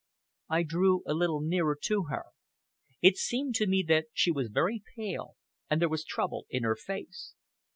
I drew a little nearer to her. It seemed to me that she was very pale, and there was trouble in her face.